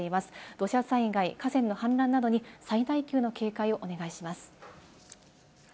土砂災害、河川の氾濫などに最大級の警戒をお願いします。